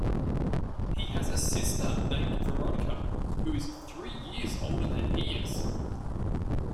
He has a sister named Veronica who is three years older than he is.